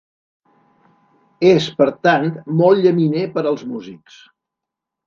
És, per tant, molt llaminer per als músics.